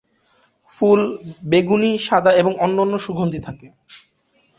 ফুল বেগুনি-সাদা এবং সামান্য সুগন্ধি থাকে।